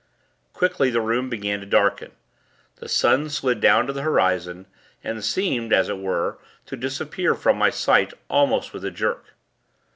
Quickly, the room began to darken. The sun slid down to the horizon, and seemed, as it were, to disappear from my sight, almost with a jerk.